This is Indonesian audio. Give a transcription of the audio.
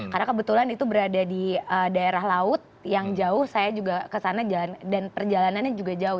karena kebetulan itu berada di daerah laut yang jauh saya juga kesana dan perjalanannya juga jauh